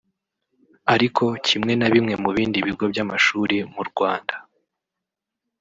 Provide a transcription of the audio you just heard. Ariko kimwe na bimwe mu bindi bigo by’amashuri mu Rwanda